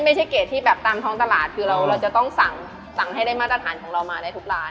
เกรดที่แบบตามท้องตลาดคือเราจะต้องสั่งให้ได้มาตรฐานของเรามาได้ทุกร้าน